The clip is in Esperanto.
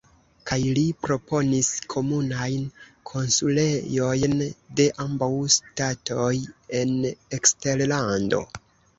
Kaj li proponis komunajn konsulejojn de ambaŭ ŝtatoj en eksterlando.